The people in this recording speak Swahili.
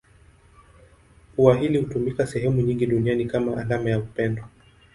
Ua hili hutumika sehemu nyingi duniani kama alama ya upendo.